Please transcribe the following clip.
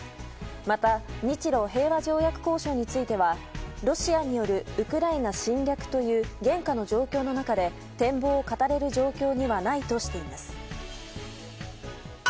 また日露平和条約交渉についてはロシアによるウクライナ侵略という現下の状況の中で展望を語れる状況にはないとしています。